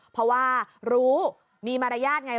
เพราะว่ารู้มีมารยาทไง